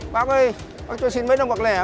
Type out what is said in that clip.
bác ơi bác cho em xin mấy đồng bạc lẻ hả bác